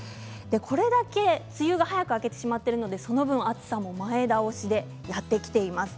これだけ梅雨が早く明けてしまっているのでその分暑さも前倒しでやってきています。